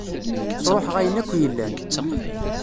Ṣṛuḥeɣ ayen akk yellan.